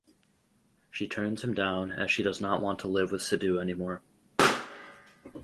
She turns him down as she does not want to live with Siddhu anymore.